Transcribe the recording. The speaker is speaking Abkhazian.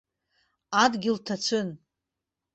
Адгьыл ҭацәын.